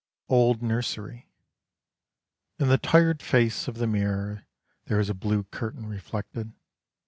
OLD NURSERY In the tired face of the mirror There is a blue curtain reflected.